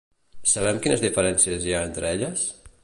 Sabem quines diferències hi ha entre elles?